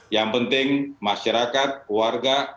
yang penting masyarakat warga